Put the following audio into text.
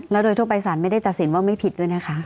แล้วโดยทั่วไปสารไม่ได้ตัดสินว่าไม่ผิดด้วยนะคะ